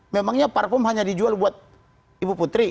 memangnya parfum hanya dijual buat ibu putri